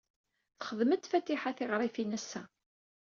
Texdem-d Fatiḥa tiɣṛifin ass-a.